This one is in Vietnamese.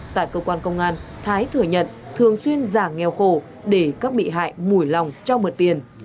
tại cơ quan công an thái thừa nhận thường xuyên giả nghèo khổ để các bị hại mùi lòng cho mượn tiền